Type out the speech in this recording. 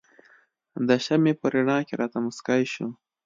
د شمعې په رڼا کې راته مسکی شو.